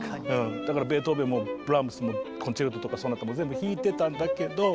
だからベートーベンもブラームスもコンチェルトとかソナタも全部弾いてたんだけどまあ